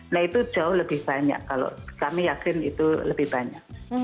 nah itu jauh lebih banyak kalau kami yakin itu lebih banyak